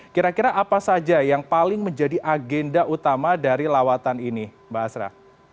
kira kira apa saja yang paling menjadi agenda utama dari lawatan ini mbak asra